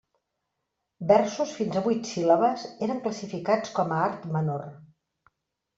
Versos fins a vuit síl·labes eren classificats com a art menor.